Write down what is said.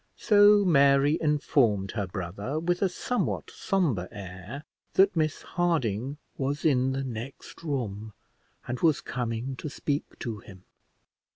So Mary informed her brother, with a somewhat sombre air, that Miss Harding was in the next room, and was coming to speak to him.